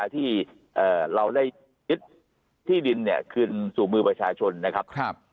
ที่เราได้ยึดที่ดินคืนสู่มือประชาชนนะครับ